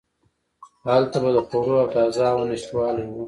هلته به د خوړو او تازه هوا نشتوالی و.